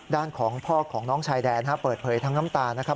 ด้านของพ่อของน้องชายแดนเปิดเผยทั้งน้ำตานะครับ